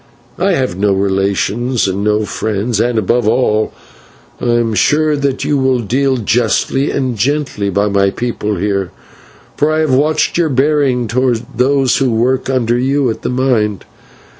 I have no relations and no friends, and, above all, I am sure that you will deal justly and gently by my people here, for I have watched your bearing towards those who work under you at the mine.